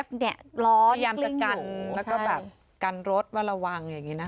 ร้อนิกลิ้งอยู่พยายามจะกันแล้วก็แบบกันรถว่าระวังอย่างงี้นะคะ